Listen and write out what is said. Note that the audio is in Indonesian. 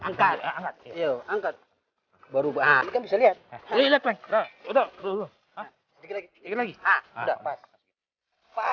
angkat angkat yo angkat baru bahan kelihatan udah